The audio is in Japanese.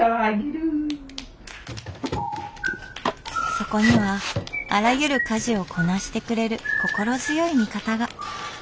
そこにはあらゆる家事をこなしてくれる心強い味方が。